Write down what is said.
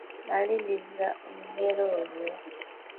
Maliriza olugero olwo.